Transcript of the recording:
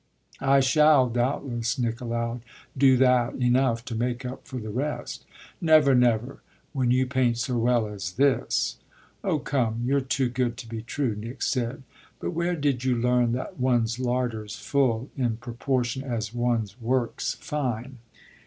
"I shall doubtless," Nick allowed, "do that enough to make up for the rest." "Never, never, when you paint so well as this." "Oh come, you're too good to be true," Nick said. "But where did you learn that one's larder's full in proportion as one's work's fine?"